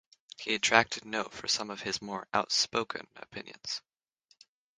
He attracted note for some of his more outspoken opinions.